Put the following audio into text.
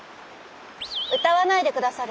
歌わないでくださる？